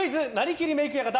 きりメイク館